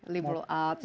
liberal arts juga kan